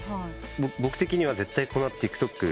僕的には絶対この後ＴｉｋＴｏｋ。